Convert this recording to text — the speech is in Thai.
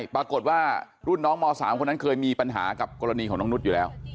ปรากฏว่ารุ่นน้องม๓คนนั้นเคยมีปัญหากับกรณีของน้องนุษย์อยู่แล้ว